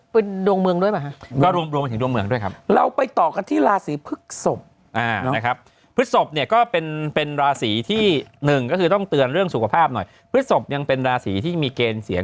เผื่อเขาจะไปตามวันพรุ่งนี้กันเนี่ย